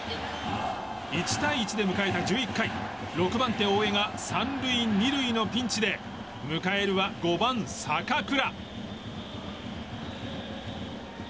１対１で迎えた１１回６番手、大江が３塁２塁のピンチで迎えるは５番、坂倉。